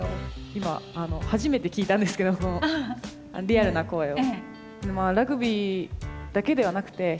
今初めて聞いたんですけどリアルな声を。